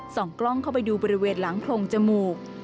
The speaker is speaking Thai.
ส่องกล้องเข้าไปดูบริเวณหลังโพรงจมูก